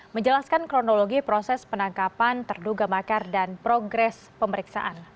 menjelaskan kronologi proses penangkapan terduga makar dan progres pemeriksaan